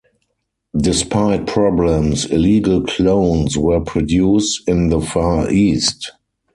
Despite problems, illegal clones were produced in the far-east.